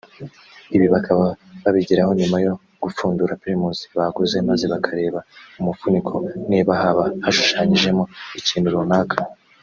Ibi bakaba babigeraho nyuma yo gupfundura primus baguze maze bakareba mu mufuniko niba haba hashushanyijeho ikintu runaka